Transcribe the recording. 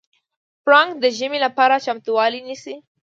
پړانګ د ژمي لپاره چمتووالی نیسي.